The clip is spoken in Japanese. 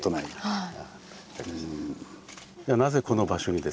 はい。